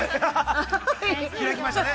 ◆開きましたね。